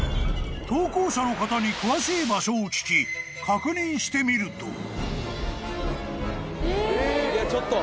［投稿者の方に詳しい場所を聞き確認してみると］